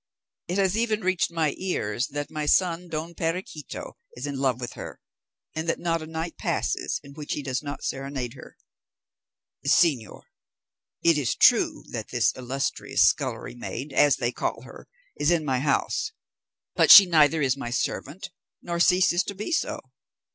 It has even reached my ears that my son Don Perequito is in love with her, and that not a night passes in which he does not serenade her." "Señor, it is true that this illustrious scullery maid, as they call her, is in my house, but she neither is my servant, nor ceases to be so."